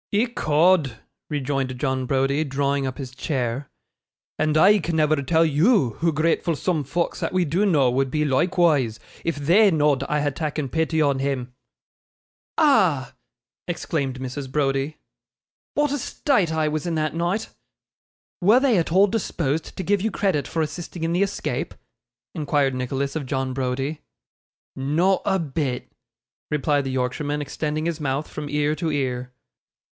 'Ecod!' rejoined John Browdie, drawing up his chair; 'and I can never tell YOU hoo gratful soom folks that we do know would be loikewise, if THEY know'd I had takken pity on him.' 'Ah!' exclaimed Mrs. Browdie, 'what a state I was in that night!' 'Were they at all disposed to give you credit for assisting in the escape?' inquired Nicholas of John Browdie. 'Not a bit,' replied the Yorkshireman, extending his mouth from ear to ear.